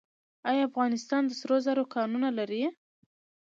آیا افغانستان د سرو زرو کانونه لري؟